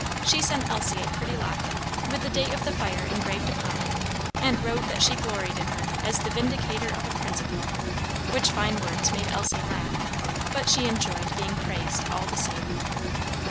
She sent Elsie a pretty locket, with the date of the fire engraved upon it, and wrote that she gloried in her as the Vindicator of a Principle, which fine words made Elsie laugh; but she enjoyed being praised all the same.